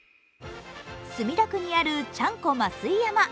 墨田区にあるちゃんこ屋増位山。